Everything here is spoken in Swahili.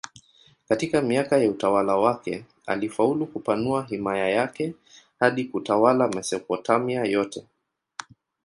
Katika miaka ya utawala wake alifaulu kupanua himaya yake hadi kutawala Mesopotamia yote.